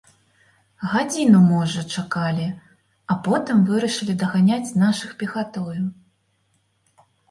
Гадзіну, можа, чакалі, а потым вырашылі даганяць нашых пехатою.